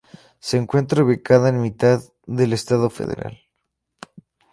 Se encuentra ubicada en mitad del estado federal.